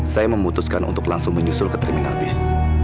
saya memutuskan untuk langsung menyusul ke terminal bis